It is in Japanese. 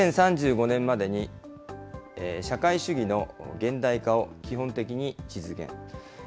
２０３５年までに社会主義の現代化を基本的に実現。